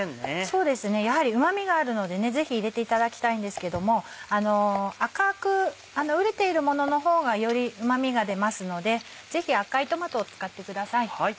そうですねやはりうまみがあるのでねぜひ入れていただきたいんですけども赤く熟れているものの方がよりうまみが出ますのでぜひ赤いトマトを使ってください。